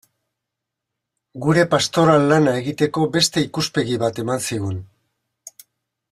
Gure pastoral lana egiteko beste ikuspegi bat eman zigun.